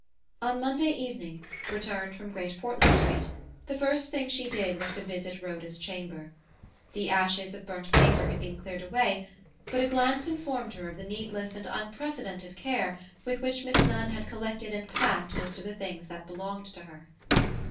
On Monday evening, returned from Great Portland Street, the first thing she did was to visit Rhoda's chamber. The ashes of burnt paper had been cleared away, but a glance informed her of the needless and unprecedented care with which Miss Nunn had collected and packed most of the things that belonged to her.